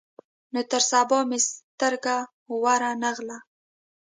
نو تر سبا مې سترګه ور نه غله.